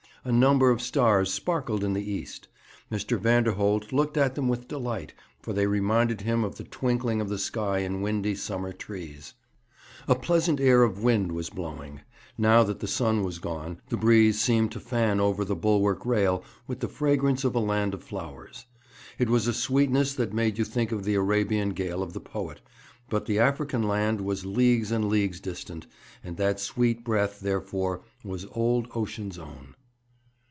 A number of stars sparkled in the east. Mr. Vanderholt looked at them with delight, for they reminded him of the twinkling of the sky in windy summer trees. A pleasant air of wind was blowing. Now that the sun was gone, the breeze seemed to fan over the bulwark rail with the fragrance of a land of flowers. It was a sweetness that made you think of the Arabian gale of the poet, but the African land was leagues and leagues distant, and that sweet breath, therefore, was old Ocean's own.